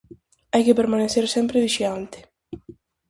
Hai que permanecer sempre vixiante.